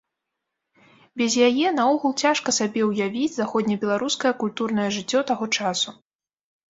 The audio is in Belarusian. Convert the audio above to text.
Без яе наогул цяжка сабе ўявіць заходнебеларускае культурнае жыццё таго часу.